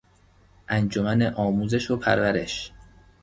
انجمن آموزش و پرورش